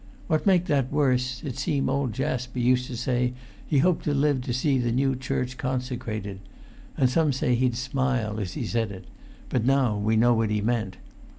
What make that worse, it seem old Jasper used to say he hoped to live to see the new church consecrated; and some say he'd smile as he said it; but now we know what he meant.